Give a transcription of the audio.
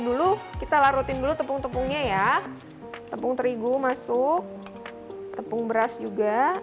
dulu kita larutin blue tepung tepung nya ya tepung terigu masuk tepung beras juga gula pasir dan supaya